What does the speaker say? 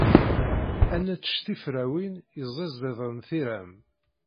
Ad nečč tiferrawin yeẓẓiẓiden tiram.